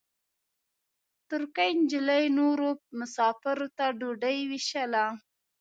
ترکۍ نجلۍ نورو مساپرو ته ډوډۍ وېشله.